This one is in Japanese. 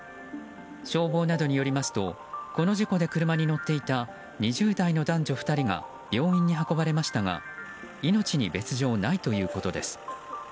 消防などによりますとこの事故で車に乗っていた２０代の男女２人が病院に運ばれましたが命に別条はないということです。